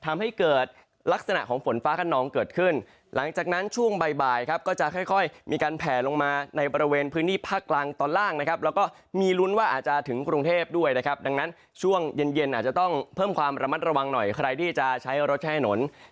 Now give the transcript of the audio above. มีลุ้นว่าอาจจะถึงกรุงเทพด้วยนะครับดังนั้นช่วงเย็นอาจจะต้องเพิ่มความระมัดระวังหน่อยใครที่จะใช้รถใช้หนน